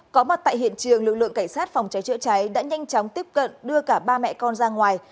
có mặt tại hiện trường lực lượng cảnh sát phòng cháy chữa cháy đã nhanh chóng tiếp cận đưa cả ba mẹ con ra ngoài